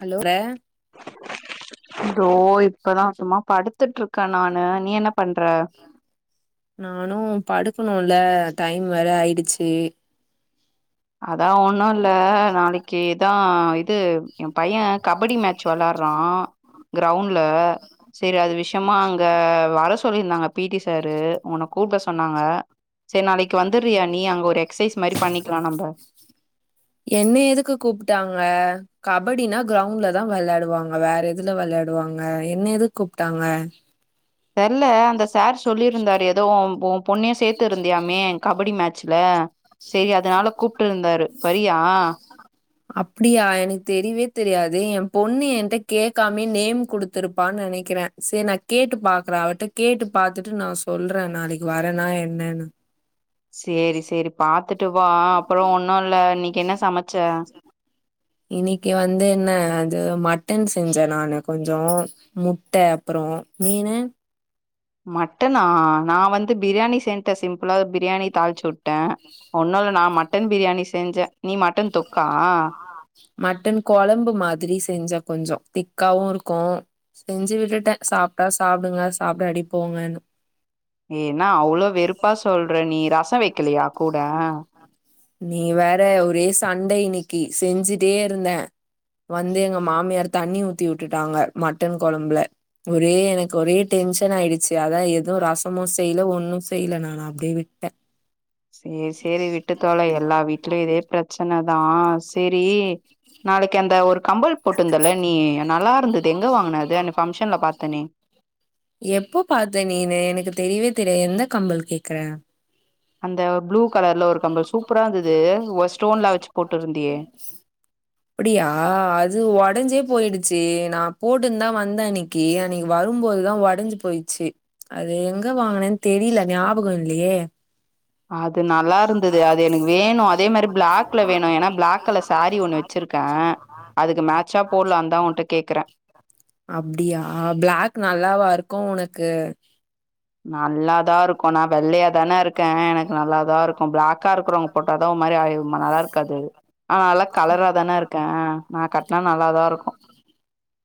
Hello இதோ இப்பதா சும்மா படுத்துட்டு இருக்க நானு நீ என்ன பண்ற நானு படுக்கணுல டைம் வேற ஆயிடுச்சு அதா ஒன்னு இல்ல நாளைக்கி இதா இது எ பைய கபடி மேட்ச் வேளாடுற க்ரோண்ட்ல சேரி அது விஷ்யமா அங்க வர சொல்லிருந்தாங்க பிட்டி சாரு உன்ன கூப்ட சொன்னாங்க சேரி நாளைக்கு வந்துறியா நீ அங்க ஒரு எக்சேஸ் மாரி பண்ணிக்கலா நம்ப என்ன எதுக்கு கூப்ட்டாங்க கபடினா கிரௌண்ட்லதா வேளாயாடுவாங்க வேற எதுல வேளாயாடுவாங்க என்ன எது கூப்ட்டாங்க தெர்ல அந்த சார் சொல்லியிருந்தாரு ஏதோ ஓ ஓ பொண்ணேயு சேத்து இருந்தியாமே கபடி மேச்சல செரி அதனால கூப்டு இருந்தாரு வரியா அப்டியா எனக்கு தெரியவே தெரியாதே எ பொண்ணு என்ட கேட்காமே நேம் குடுத்துருப்பானு நெனைக்கிறே செரி நா கேட்டு பாக்றே அவட்ட கேட்டு பாத்துட்டு நா சொல்றே நாளைக்கி வரேன்னா என்னன்னு சேரி சேரி பாத்துட்டு வா அப்றோ ஒன்னு இல்ல இன்னைக்கி என்ன சமச்ச இன்னைக்கு வந்து என்ன அது மட்டன் செஞ்சே நானு கொஞ்சோ முட்ட அப்றோ மீனு மட்டனா நா வந்து பிரியாணி சென்டே சிம்பிளா பிரியாணி தாளிச்சுட்டே ஒன்னுல்ல நா மட்டன் பிரியாணி செஞ்சேன் நீ மட்டன் தொக்கா மட்டன் குழம்பு மாதிரி செஞ்சே கொஞ்சோ திக்காவு இருக்கு செஞ்சு விட்டுட்டே சாப்ட்டா சாப்டுங்க சாப்டாட்டி போங்கன்னு ஏ என்ன அவ்ளோ வெறுப்பா சொல்ற நீ ரசோ வைக்கலையா கூட நீ வேற ஒரே சண்ட இன்னிக்கி செஞ்சுட்டே இருந்தே வந்து எங்க மாமியார் தண்ணி ஊத்தி விட்டுட்டாங்க மட்டன் குழம்ல ஒரே எனக்கு ஒரே டென்ஷன் ஆயிடுச்சு அதா எதுவு ரசமு செய்ல ஒண்ணு செய்ல நா அப்டியே விட்டே சேர் சேரி விட்டு தொல எல்லா வீட்லயு இதே பிரச்சனதா சேரி நாளைக்கு அந்த ஒரு கம்பல் போட்ருந்தல்ல நீ நல்லா இருந்தது எங்க வாங்னது அது ஃபங்க்ஷன்ல பாத்தனே எப்ப பாத்த நீனு எனக்கு தெரியவே தெரிய எந்த கம்பல் கேக்ற அந்த ப்ளூ கலர்ல ஒரு கம்பல் சூப்பரா இருந்தது ஒரு ஸ்டோன்ல வச்சு போட்ருந்தியே அப்டியா அது உடஞ்சே போயிடுச்சு நா போட்டுந்தா வந்தேனக் கி அன்னைக்கி வரும்போதுதா உடஞ்சு போயிச்சு அது எங்க வாங்கனேன்னு தெரியல ஞாபகம் இல்லையே அது நல்லா இருந்தது அது எனக்கு வேணு அதே மாதிரி பிளாக்ல வேணு ஏனா பிளாக் கலர் சாரி ஒண்ணு வச்சிருக் கே அதுக்கு மேச்சா போட்லா தா உன்ட கேக்கிறே அப்டியா பிளாக் நல்லாவா இருக்கு உனக்கு நல்லாதா இருக் கு நா வெள்ளையா தானே இருக்கே எனக்கு நல்லாதாருக்கு பிளாக்கா இருக்குறவங்க போட்டாதா ஒரு மாதிரி ஆய நல்லா இருக்காது ஆ நா நல்லா கலரா தானே இருக்கே நா கட்னா நல்லாதா இருக்கு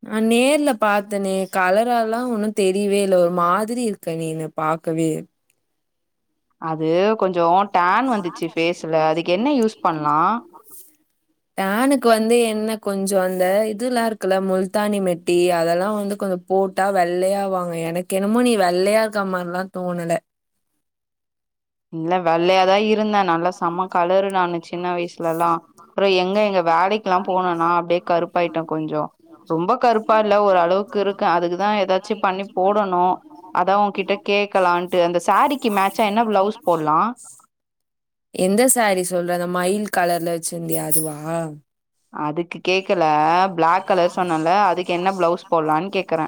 நா நேர்ல பாத்தேனே கலராலா ஒன்னு தெரியவே இல்ல ஒரு மாதிரி இருக்க நீனு பாக்கவே அது கொஞ்சோ டேன் வந்துச்சு ஃபேஸ்ல அதுக்கு என்ன யூஸ் பண்லா [inaudible] டேனுக்கு வந்து என்ன கொஞ்சோ அந்த இதுல்லா இருக்குல்ல முல்தானி மெட்டி அதல்லா வந்து கொஞ்சோ போட்டா வெள்ளையா அவாங்க எனக்கு என்னமோ நீ வெள்ளையா இருக்க மார்ல்லா தோணல இல்ல வெள்ளையாதா இருந்த நல்லா செம்ம கலரு நானு சின்ன வயசுலலா அப்றோ எங்க இங்க வேலைக் குலா போனனா அப்டே கருப்பாயிட்ட கொஞ்சோ ரொம்ப கருப்பா இல்ல ஒரு அளவுக்கு இருக்க அதுக்குதா ஏதா ச்சு பண்ணி போடனு அதா உன்கிட்ட கேக்கலான்ட்டு அந்த சாரிக்கு மேச்சா என்ன பிளவுஸ் போடுலா எந்த சாரி சொல்ற அந்த மயில் கலர்ல வச்சிருந்தியே அதுவா அதுக்கு கேக்கல பிளாக் கலர் சொன்னன்ல அதுக்கு என்ன பிளவுஸ் போடலானு கேக்கற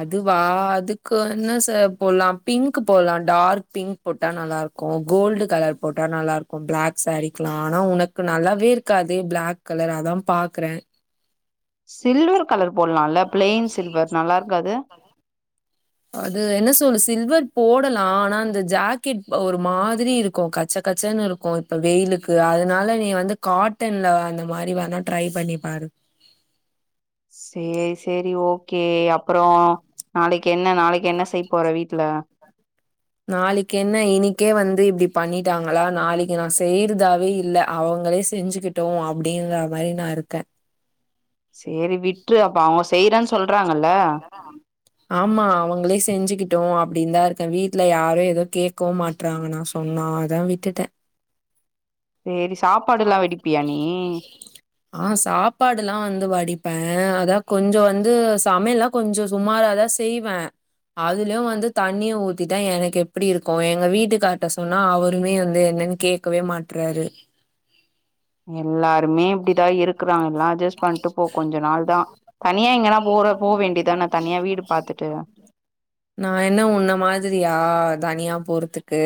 அதுவா அதுக்கு வந்து ச போடுலா பிங்க் போலா டார்க் பிங்க் போட்டா நல்லா இருக்கு கோல்டு கலர் போட்டா நல்லா இருக்கு பிளாக் சாரீக்குலா ஆனா உனக் கு நல்லாவே இருக்காதே பிளாக் கலர் அதா பாக்குற சில்வர் கலர் போட்லால பிளைன் சில்வர் நல்லா இருக்காது அது என்ன சொல்லு சில்வர் போடலா ஆனா இந்த ஜாக்கெட் ஒரு மாதிரி இருக்கு கச்ச கச்சன்னு இரு க்கு இப்ப வெயிலுக்கு அதனால நீ வந்து காட்டன்ல அந்த மாரி வேணா ட்ரை பண்ணி பாரு சேரி சேரி ஓகே அப்றோ நாளைக்கு என்ன நாளைக்கு என்ன செய் போற வீட்ல நாளைக்கு என்ன இன்னிக்கே வந்து இப்டி பண்ணிட்டாங்களா நாளைக்கு நா செய்றதாவே இல்ல அவுங்களே செஞ்சு கிட்டு அப்டின்ற மாரி நா இருக்க சேரி விட்று அப்ப அவுங்க செய்யறேன்னு சொல்றாங்கல்ல ஆமா அவங்களே செஞ்சுக்கிட்டு அப்டின்னு தா இருக்க வீ ட்ல யாரு எது கேட்கவும் மாட்டறாங்க நா சொன்னா அதா விட்டுட்ட சேரி சாப்பாடுலா வெடிப்பிய நீ ஆ சாப்பாடுலா வந்து வடிப்ப அதா கொஞ்சோ வந்து சமையல்லா கொஞ்சோ சுமாரா தா செய்வ அதுலயு வந்து தண்ணிய ஊத் திட்டா எனக்கு எப்டி இருக்கு எங்க வீட்டுக்கார்ட்ட சொன்னா அவருமே வந்து என்னன்னு கேட்கவே மாட்றாரு எல்லாருமே இப்டிதா இருக்குறாங்கலா அட்ஜஸ்ட் பண்ட்டு போ கொஞ்ச நாள் தா தனியா எங்கன்னா போற போ வேண்டியதான தனியா வீடு பாத்துட்டு நா என்ன உன்ன மாதிரியா தனியா போறதுக்கு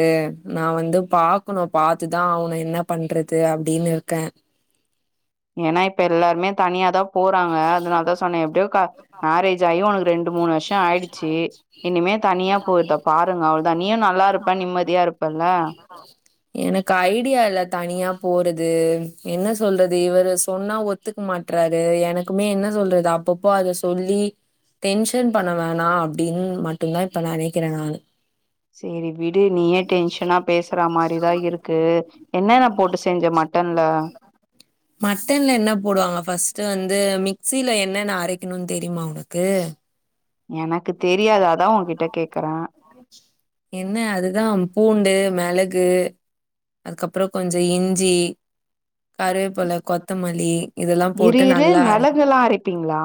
நா வந்து பாக் கனு பாத்துதா அவனு என்ன பண்றது அப்டின்னு இருக்க ஏனா இப்ப எல்லாருமே தனியா தா போறாங்க அதனால தா சொன்ன எப்டியோ மேரேஜ் ஆயி உனக்கு ரெண்டு மூணு வருஷோ ஆயிடுச்சு இனிமே தனியா போய்டு பாருங்க அவ்வுளோதா நீயு நல்லா இருப்ப நிம்மதியா இருப்பல்ல ஆ எனக்கு ஐடியா இல்ல தனியா போறது என்ன சொல்றது இவர்ரு சொன்னா ஒத் துக்கு மாட்டுறாரு எனக்குமே என்ன சொல்றது அப்பப் போ அத சொல்லி டென்ஷன் பண்ண வேணா அப்டின் மட்டுதா இப்ப நனைக்கிற நானு சேரி விடு நீயே டென்ஷனா பேசுற மாரிதா இருக்கு என்னன போட்டு செஞ்ச மட்டன்ல ஆ மட்டனல என்ன போடுவாங்க ஃபஸ்ட்டு வந்து மிக்சில என்னென்ன அரைக்கணும்னு தெரியுமா உனக்கு எனக்கு தெரியாது அதா உன்கிட்ட கேக்கற என்ன அதுதா பூண்டு மெளகு அதுக்கப்புறோ கொஞ்ச இஞ்சி கருவேப்பல கொத்தமல்லி இதெல்லாம் போட்டு இருஇரு நல்லா அரை மெளகுல்லா அரைப்பீங்களா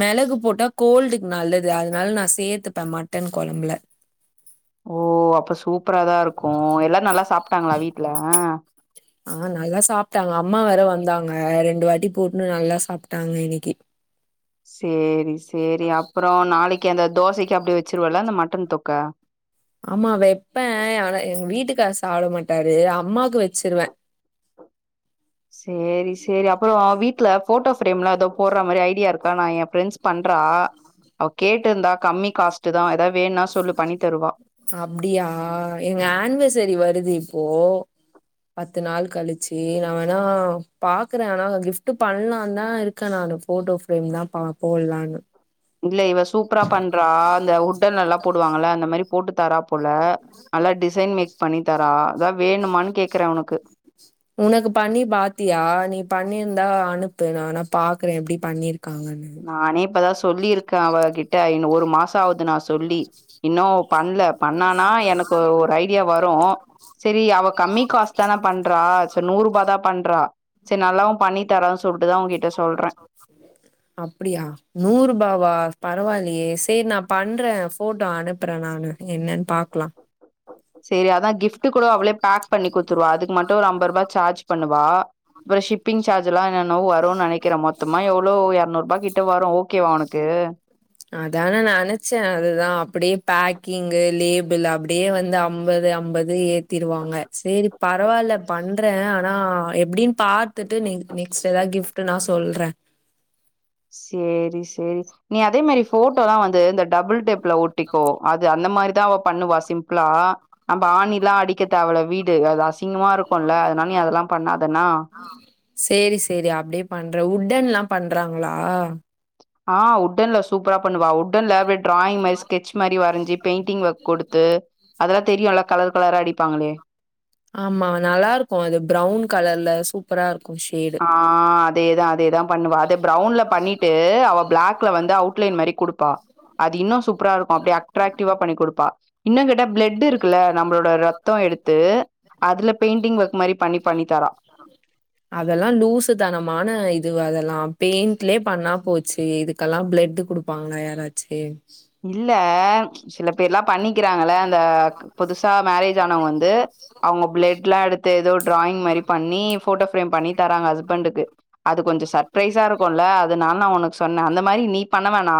மெளகு போட்டா கோல்டுக்கு நல்லது அதனால நா சேத்துப்ப மட்டன் கொழம்புல ஓ அப்ப சூப்பரா தா இருக்கு எல்லா நல்லா சாப்ட்டாங்களா வீட்ல ஆ நல்லா சாப்ட்டாங்க அம்மா வேர வந்தாங்க ரெண்டு வாட்டி போட்டுன்னு நல்லா சாப்ட்டாங்க இன்னிக்கு சேரி சேரி அப்புறோ நாளைக்கு அந்த தோசைக்கு அப்டே வச்சுருவல அந்த மட்டன் தொக்க ஆமா வெப்பே ஆனா எங்க வீட்டு கார் சாப்ட மாட்டாரு அம்மாக்கு வெச்சிருவே சேரி சேரி அப்றோ வீட்ல ஃபோட்டோ ஃப்ரேம்லா எதோ போட்ற மாரி ஐடியா இருக்கா நா எ ஃப்ரெண்ட்ஸ் பண்றா அவ கேட்டுருந்தா கம்மி காஸ்ட்டு தா எதா வேண்ணா சொல்லு பண்ணி தருவா அப்டியா எங்க ஆன்வர்சரி வருது இப்போ பத்து நாள் கழிச்சு நா வேணா பாக்கறே ஆனா கிஃப்ட்டு பண்ணலாந்தா இருக் க நானு ஃபோட்டோ ஃப்ரேம் தா பாப்போ எல்லானு இல்ல இவ சூப்பரா பண்றா அந்த உட்டனெல்லா போடுவாங்கல்ல அந்த மாரி போட்டு தரா போல நல்லா டிசைன் மேக் பண்ணி தரா அதா வேணுமான் கேக்கறே உனக்கு உனக்கு பண்ணி பாத்தியா நீ பண்ணிருந்தா அனுப்பு நா வேணா பாக்கறே எப்டி பண்ணிருக்காங்கன்னு நானே இப்ப தா சொல்லிருக்க அவகிட்ட இன்னு ஒரு மாசோ ஆவுது நா சொல்லி இன்னு பண்ல பண்ணானா எனக்கு ஒரு ஐடியா வரு செரி அவ கம்மி காஸ்ட் தான பண்றா ச நூர்ருபா தா பண்றா செரி நல்லாவு பண்ணி தரா சொல்ட்டு தா உங்கிட்ட சொல்றே அப்டியா நூர்ருபாவா பரவால்லயே சேர் நா பண் ற ஃபோட்டோ அனுப்புற நானு என்னன் பாக்கலா சேரி அதா கிஃப்ட்டு கூட அவளே பேக் பண்ணி குத்துருவா அதுக்கு மட்டு ஒரு அம்பர்ருபா சார்ஜ் பண்ணுவா பறோ ஷிப்பிங் சார்ஜெல்லா என்னவோ வரு நெனைக்கறே மொத்தமா எவ்ளோ எர்நூர்பா கிட் ட வரு ஓகேவா உனக்கு அதா நா நெனச்சே அது தா அப்டியே பேக்கிங்கு, லேபிள் அப் டியே வந்து அம்பது அம்பது ஏத்திருவாங்க சேரி பரவால்ல பண்ற ஆனா எப்டி பாத்துட்டு நெங் நெக்ஸ்ட் எதாத் கிஃப்ட்டுனா சொல்றே சேரி சேரி நீ அதே மாரி ஃபோட்டோல்லா வந்து இந்த டபுள் டேப் ல ஒட்டிக்கோ அது அந்த மாரி தா அவ பண்ணுவா சிம்ப்புளா நம்ப ஆணிலா அடிக்க தேவல்ல வீடு அது அசிங்கமா இருக்குல்ல அதுனால் நீ அதெல்லா பண்ணாதென்னா சேரி சேரி அப்டியே பண்ற உட்டன்லா பண்றாங்ளா? ஆ உட்டன்ல சூப்பரா பண்ணுவா உட் டன்ல அப்டியே டிராயிங் மாரி ஸ்கெட்ச் மாரி வரஞ்சி பெயிண்டிங் ஒர்க் குடுத்து அதல்லா தெரியுல்ல கலர் கலரா அடிப்பாங்களே ஆமா நல்லாருக்கு அது ப்ரவுன் கலர்ல சூப் பரா இருக்கு ஷேட் ஆ அதே தா அதே தா பண்ணுவா அத ப்ரவுன்ல பண்ணிட்டு அவ பிளாக்ல வந்து அவு ட் லைன் மாரி குடுப்பா அது இன்னு சூப்பரா இருக்கு அப்டியே அட்ராக்டிவா பண்ணி குடுப்பா இன்னு கேட்டா ப்ளெட் இருக்குல்ல நம்ளோட ரத்தோ எடுத்து அதுல பெயிண்டிங் ஒர்க் மாரி பண்ணி பண்ணி தரா அதெல்லா லூஸு தனமான இது அதெல்லா பெயிண்ட்லே பண்ணா போச்சி இதுக்கெல்லா ப்ளெட்டு குடு ப்பாங்களா யாராச்சி இல்ல சில பேர்ல்லா பண்ணிக்கிறாங்கல்ல அந்த புதுசா மேரேஜ் ஆனவங் வந்து அவுங்க ப்ளெட்லா எடு த்து எதோ ட்ராயிங் மாரி பண்ணி ஃபோட்டோ ஃப்ரேம் பண்ணி தராங்க ஹஸ்பண்டுக்கு அது கொஞ்சோ சர்ப்ரைஸா இருக்குல்ல அதுனால் நா உனக் சொன்னே அந்த மாரி நீ பண்ண வேணா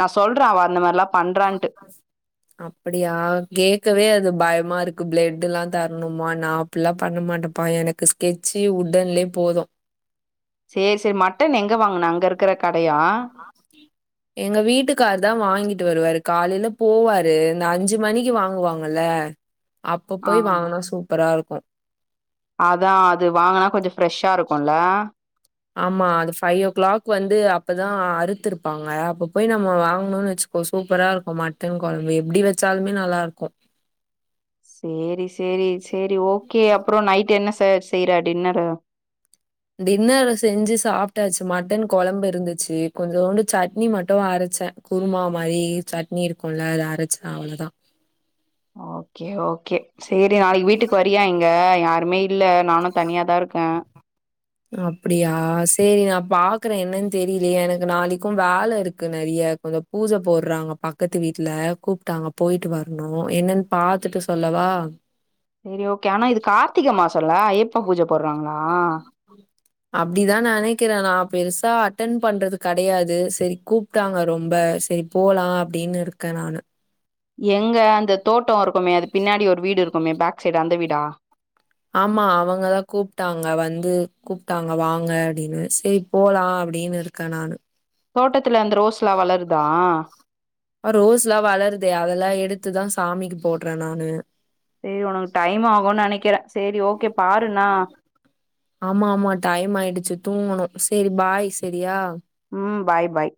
நா சொல் ற அவ அந்த மார்லா [inaudible] பண்றா [inaudible] ஆ அப்டியா கேக்கவே அது பயமாருக்கு ப்ளெட்டு்ல்லா தர்ணுமா நா அப்பிட்லா பண்ண மாட்டப்பா எனக்கு ஸ்கெட்சி உட்டன்லே போது சேரி சேரி மட்டன் எங்க வாங்ன அங்க இருக்கற கடையா ஆி [inaudible] எங்க வீட்டுக்கார் தா வாங்கிட் டு வருவாரு காலைல போவாரு இந்த அஞ்சு மணிக்கு வாங்வாங்கல்ல அப்ப போய் ஆமா. வாங்னா சூப்பரா இருக்கு அதா அது வாங்கனா கொஞ்ச ஃப்ரெஷ்ஷா இருக்குல்ல ஆமா அது ஃபைவ் ஓ கிளாக் வந்து அப்பதா அறுத்துருப்பாங்க அப்ப போய் நம்ம வாங்கணும்னு வச்சுக் இப்ப சூப்பரா இருக்கு மட்டன் கொழம்பு எப்டி வச்சாலுமே நல்லா இருக்கு சேரி சேரி சேரி ஓகே அப்புற நைட் என்ன ச செய்யற டின்னரு டின்னரு செஞ்சு சாப்டாச்சு மட்டன் கொழம்பு இருந்துச்சு கொஞ்சோண்டு சட்னி மட்டு அரச்செ குருமா மாரி சட்னி இருக்குல்ல அத அரச்செ அவ்ளோதா ஓகே ஓகே சேரி நாளைக்கு வீட்டுக்கு வரியா இங்க யாருமே இல்ல நானு தனியாதா இருக்கே அப்டியா சேரி நா பாக்குறே என்னன் தெரிலியே எனக்கு நாளைக்கும் வேல இருக்கு நெரியா பூஜ போட்றாங்க பக்கத்து வீட்ல கூப்ட்டாங்க போய்ட்டு வரணு என்னன் பாத்துட்டு சொல்லவா சேரி ஓகே ஆனா இது கார்த்திக மாசொல்ல ஐயப்ப பூஜ போட்றாங்களா அப்டிதா நெனக்கிறே நா பெருசா அட்டன் பண்றது கெடையாது சரி கூப்ட் டாங்க ரொம்ப சரி போலா அப்டின்னு இருக்கன் நானு எங்க அந்த தோட்ட இருக்குமே அது பின்னாடி ஒரு வீடு இருக்குமே பேக் சைடு அந்த வீடா ஆமா அவங்கதா கூப்ட்டாங்க வந்து கூப்ட்டாங்க வாங்க அப்டினு சேரி போலா அப்டினு கனானு தோட்டத்துல அந்த ரோஸ்லாம் வளருதா ரோஸ்லா வளருது அதெல்லா எடுத்துதா சாமிக்கு போட்ற நானு சேரி ஒனக்கு டைம் ஆகும் நெனைக்கிறே சேரி ஓகே பாருண்ணா ஆமா ஆமா டைம் ஆயிடுச்சு தூங்கணு சரி பாய் செரியா ம் பாய் பாய்